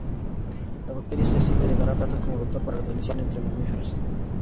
La bacteria se sirve de garrapatas como vector para la transmisión entre mamíferos.